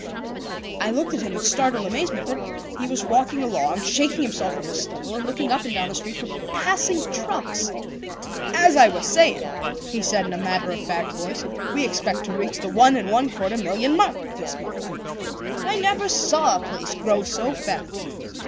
I looked at him in startled amazement, but he was walking along, shaking himself from his stumble, and looking up and down the street for passing trucks. "As I was saying," he said in a matter of fact voice, "we expect to reach the one and one quarter million mark this month. I never saw a place grow so fast."